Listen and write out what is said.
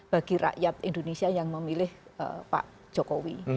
bagi rakyat indonesia yang memilih pak jokowi